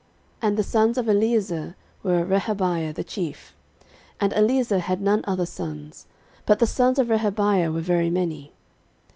13:023:017 And the sons of Eliezer were, Rehabiah the chief. And Eliezer had none other sons; but the sons of Rehabiah were very many.